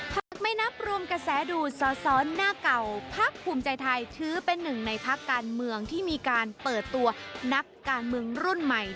หากไม่นับรวมกระแสดูดสอสอนหน้าเก่าพักภูมิใจไทยถือเป็นหนึ่งในพักการเมืองที่มีการเปิดตัวนักการเมืองรุ่นใหม่